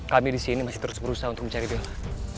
kami di sini masih terus berusaha untuk mencari belah